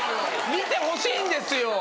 見てほしいんですよ